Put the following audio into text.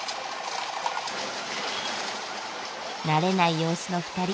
慣れない様子の２人。